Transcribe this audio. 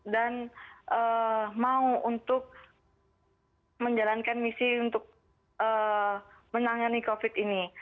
dan mau untuk menjalankan misi untuk menangani covid ini